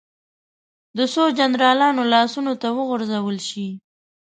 د څو جنرالانو لاسونو ته وغورځول شي.